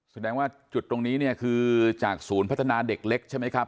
แสดงว่าจุดตรงนี้เนี่ยคือจากศูนย์พัฒนาเด็กเล็กใช่ไหมครับ